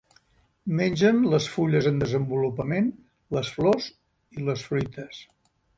Mengen les fulles en desenvolupament, les flors i les fruites.